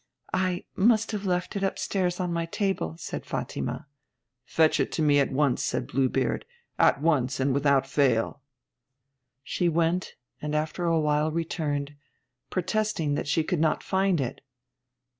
'I must have left it upstairs on my table,' said Fatima. 'Fetch it to me at once,' said Blue Beard. 'At once, and without fail.' She went, and after a while returned, protesting that she could not find it.